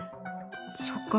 そっか。